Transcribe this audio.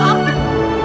ya ampun alhamdulillah